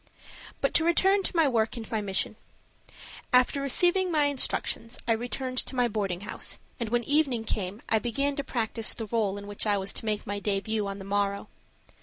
BUT to return to my work and my mission. After receiving my instructions I returned to my boarding house, and when evening came I began to practice the role in which I was to make my debut on the morrow.